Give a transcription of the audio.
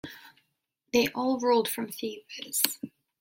They all ruled from Thebes.